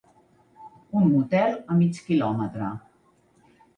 Un motel a mig quilòmetre.